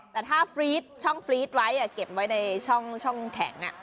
แต่ถ้าฟรีดช่องฟรีดไว้เก็บไว้ในช่องแข็ง